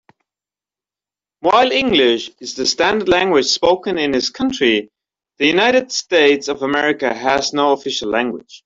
While English is the standard language spoken in his country, the United States of America has no official language.